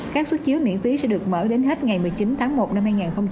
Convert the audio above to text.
các xuất chiếu miễn phí sẽ được mở đến hết ngày một mươi chín tháng một năm hai nghìn hai mươi